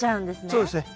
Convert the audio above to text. そうですね。